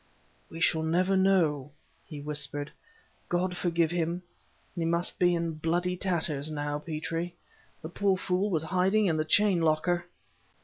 "We shall never know," he whispered. "God forgive him he must be in bloody tatters now. Petrie, the poor fool was hiding in the chainlocker!"